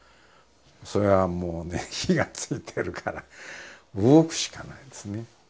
それはもうね火がついてるから動くしかないんですね。